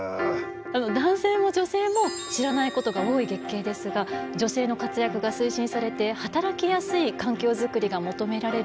男性も女性も知らないことが多い月経ですが女性の活躍が推進されて働きやすい環境作りが求められる